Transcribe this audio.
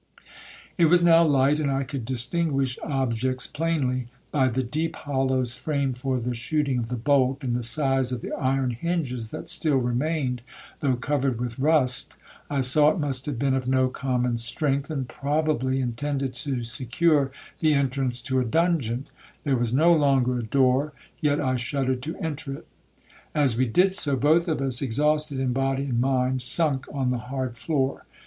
It was now light, and I could distinguish objects plainly. By the deep hollows framed for the shooting of the bolt, and the size of the iron hinges that still remained, though covered with rust, I saw it must have been of no common strength, and probably intended to secure the entrance to a dungeon,—there was no longer a door, yet I shuddered to enter it. As we did so, both of us, exhausted in body and mind, sunk on the hard floor.